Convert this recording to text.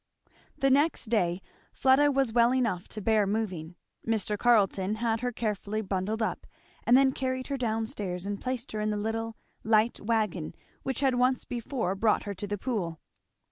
The next day Fleda was well enough to bear moving. Mr. Carleton had her carefully bundled up, and then carried her down stairs and placed her in the little light wagon which had once before brought her to the Pool.